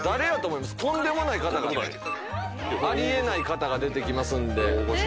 あり得ない方が出てきますんで。